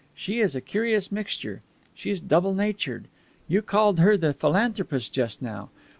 She is a curious mixture. She's double natured. You called her the philanthropist just now.